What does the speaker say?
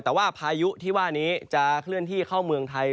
แต่ว่าพายุที่ว่านี้จะเคลื่อนที่เข้าเมืองไทย